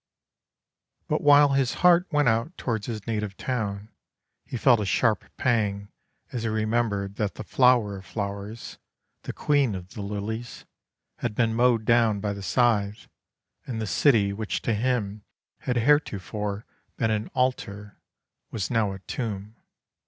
But while his heart went out towards his native town he felt a sharp pang as he remembered that the flower of flowers, the queen of the lilies, had been mowed down by the scythe, and the city which to him had heretofore been an altar was now a tomb.